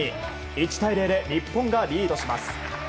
１対０で日本がリードします。